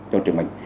cho trường mình